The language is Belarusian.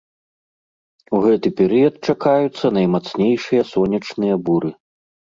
У гэты перыяд чакаюцца наймацнейшыя сонечныя буры.